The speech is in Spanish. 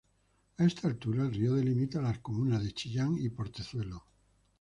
A esta altura, el río delimita a las comunas de Chillán y Portezuelo.